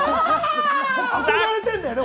憧れてるんだよね？